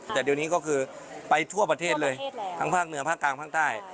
แต่เดี๋ยวนี้ก็คือไปทั่วประเทศเลยทั้งภาคเหนือภาคกลางภาคใต้